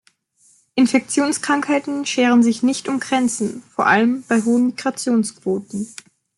Infektionskrankheiten scheren sich nicht um Grenzen, vor allem bei hohen Migrationsquoten.